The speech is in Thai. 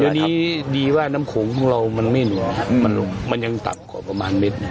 เดี๋ยวนี้ดีว่าน้ำโขงของเรามันไม่หนัวครับมันยังต่ำกว่าประมาณเม็ด